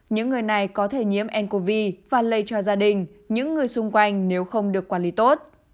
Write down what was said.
những người này có thể nhiễm ncov và lây cho gia đình những người xung quanh nếu không được quản lý tốt